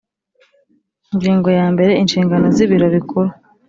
Ingingo yambere Inshingano z Ibiro Bikuru